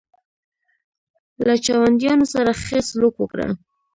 له چاونډیانو سره ښه سلوک وکړه.